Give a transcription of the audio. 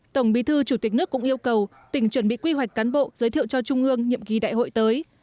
tổng bí thư chủ tịch nước cũng yêu cầu tỉnh chuẩn bị quy hoạch cán bộ giới thiệu cho trung ương nhiệm kỳ đại hội tới